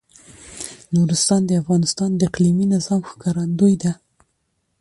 نورستان د افغانستان د اقلیمي نظام ښکارندوی ده.